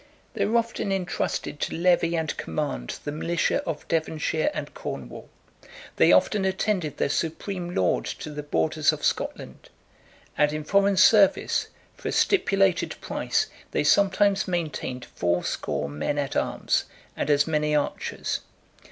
They were often intrusted to levy and command the militia of Devonshire and Cornwall; they often attended their supreme lord to the borders of Scotland; and in foreign service, for a stipulated price, they sometimes maintained fourscore men at arms and as many archers.